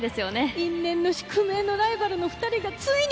因縁の、宿命のライバルの２人がついに！